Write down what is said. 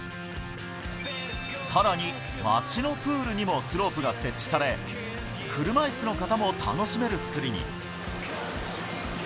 さらに街のプールにもスロープが設置され、車いすの方も楽しめる作りに。